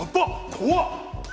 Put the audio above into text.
怖っ！